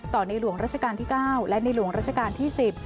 ในหลวงราชการที่๙และในหลวงราชการที่๑๐